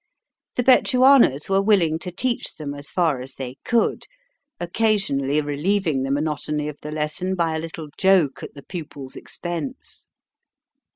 The Betchuanas were willing to teach them as far as they could, occasionally relieving the monotony of the lesson by a little joke at the pupils' expense.